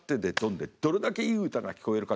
でどれだけいい歌が聞こえるか」